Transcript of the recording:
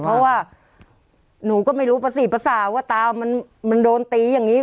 เพราะว่าหนูก็ไม่รู้ประสี่ภาษาว่าตามันโดนตีอย่างนี้